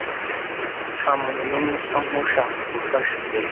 Nta muntu numwe usa nkushaka ubufasha.